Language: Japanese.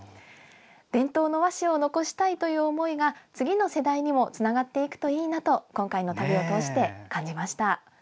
伝統の和紙を残したいという思いが次の世代にもつながっていくといいなと今回の旅を通して感じました。